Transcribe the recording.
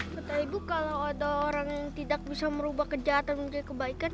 kata ibu kalau ada orang yang tidak bisa merubah kejahatan merugikan kebaikan